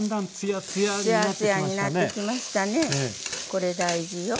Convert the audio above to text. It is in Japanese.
これ大事よ。